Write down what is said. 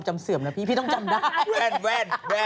สวัสดีค่าข้าวใส่ไข่